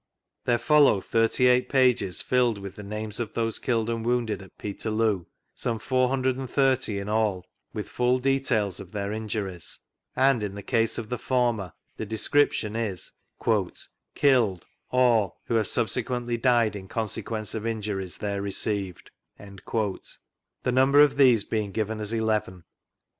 There follow 38 pages filled with the names of those killed and wounded at Peterloo, some 430 in all, with full details of their injuries, and in the case of the former the description is " Killed, or, who have subsequently died in consequence of injuries there received," the number of these being given as eleven.